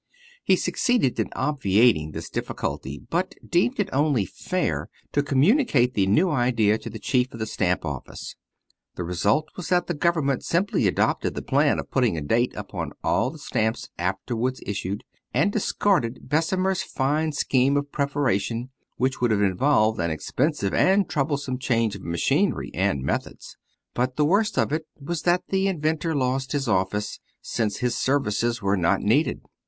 He succeeded in obviating this difficulty, but deemed it only fair to communicate the new idea to the chief of the stamp office. The result was that the government simply adopted the plan of putting a date upon all the stamps afterwards issued, and discarded Bessemer's fine scheme of perforation, which would have involved an expensive and troublesome change of machinery and methods. But the worst of it was that the inventor lost his office, since his services were not needed.